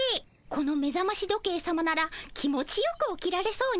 このめざまし時計さまなら気持ちよく起きられそうにございます。